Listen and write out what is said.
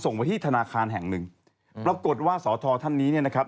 เหมือนกับต้นเรื่องในการให้มาวิกเขาก็ตามไปที่ธนาคารด้วย